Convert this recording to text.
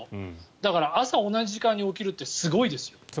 だから、朝同じ時間に起きるってすごいですよ。